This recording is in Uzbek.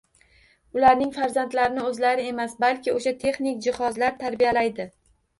Ularning farzandlarini o‘zlari emas, balki o‘sha texnik jihozlar “tarbiyalaydi”